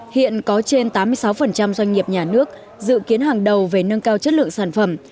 hiện có trên tám mươi sáu doanh nghiệp nhà nước dự kiến hàng đầu về nâng cao chất lượng sản phẩm